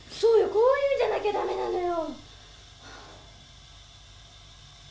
こういうのじゃなきゃ駄目なのよ。